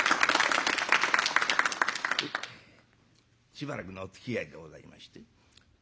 しばらくのおつきあいでございまして。